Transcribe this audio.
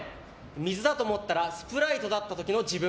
水だと思ったらスプライトだった時の自分。